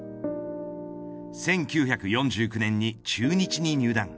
１９４９年に中日に入団。